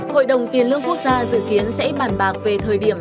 hội đồng tiền lương quốc gia dự kiến sẽ bàn bạc về thời điểm